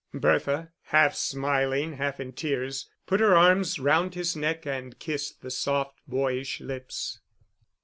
Bertha, half smiling, half in tears, put her arms round his neck and kissed the soft, boyish lips.